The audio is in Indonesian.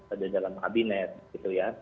ada dalam kabinet gitu ya